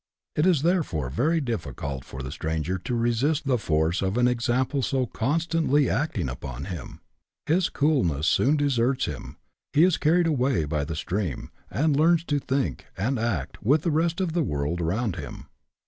It is there fore very diflficult for the stranger to resist the force of an ex ample so constantly acting upon him ; his coolness soon deserts him ; he is carried away by the stream, and learns to think, and act, with the rest of the world around him.